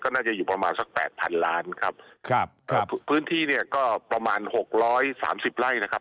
น่าจะอยู่ประมาณสักแปดพันล้านครับครับเอ่อพื้นที่เนี่ยก็ประมาณหกร้อยสามสิบไร่นะครับ